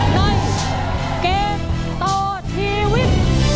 ในเกมต่อชีวิต